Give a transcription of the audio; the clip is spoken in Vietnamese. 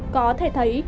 có thể thấy